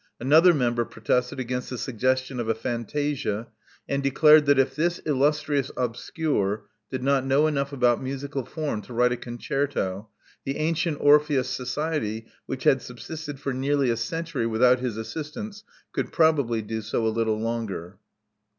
Another member protested against the suggestion of a fantasia, and declared that if this illustrious obscure did not know enough about musical form to write a concerto, the Antient Orpheus Society, which had subsisted for nearly a century without his assistance, could probably do so a little longer.